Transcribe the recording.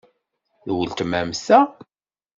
D uletma-m ta?